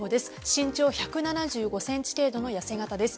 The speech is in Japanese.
身長１７５ｃｍ程度のやせ形です。